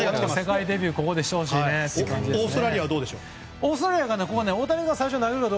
オーストラリアはどうでしょう。